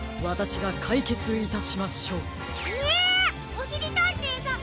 おしりたんていさん